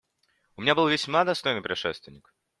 У меня был весьма достойный предшественник.